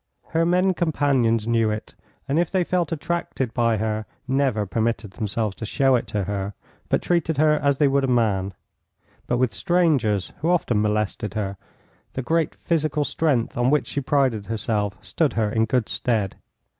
Her men companions knew it, and if they felt attracted by her never permitted themselves to show it to her, but treated her as they would a man; but with strangers, who often molested her, the great physical strength on which she prided herself stood her in good stead.